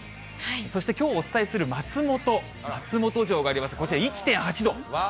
そしてきょうお伝えする松本、松本城があります、こちら１．８度。